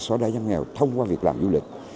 xóa đá giam nghèo thông qua việc làm du lịch